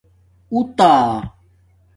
اُتݳ